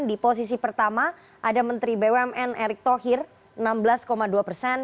di posisi pertama ada menteri bumn erick thohir enam belas dua persen